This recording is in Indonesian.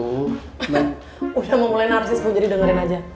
udah mulai narsis bu jadi dengerin aja